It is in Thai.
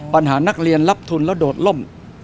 ปัญหานักเรียนรับทุนแล้วโดดล่ม